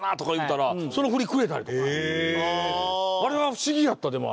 あれは不思議やったでもあれ。